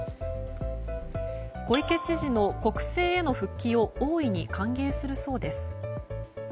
小池知事の国政への復帰を大いに歓迎するそうです。